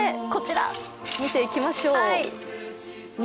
こちら、見ていきましょう。